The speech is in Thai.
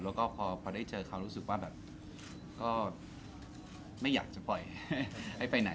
แล้วก็พอได้เจอเขารู้สึกว่าแบบก็ไม่อยากจะปล่อยให้ไปไหน